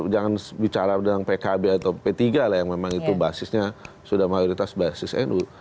jangan bicara tentang pkb atau p tiga lah yang memang itu basisnya sudah mayoritas basis nu